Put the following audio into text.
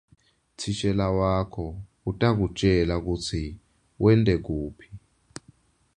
Thishela wakho utakutjela kutsi wente kuphi.